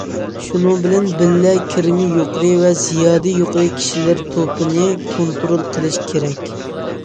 شۇنىڭ بىلەن بىللە، كىرىمى يۇقىرى ۋە زىيادە يۇقىرى كىشىلەر توپىنى‹‹ كونترول قىلىش›› كېرەك.